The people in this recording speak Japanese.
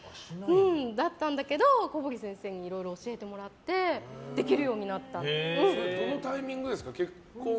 だったんだけど、小堀先生にいろいろ教えてもらってどのタイミングですか？